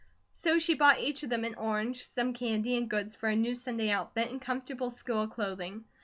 So she bought each of them an orange, some candy, and goods for a new Sunday outfit and comfortable school clothing.